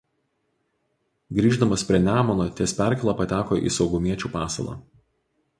Grįždamas prie Nemuno ties perkėla pateko į saugumiečių pasalą.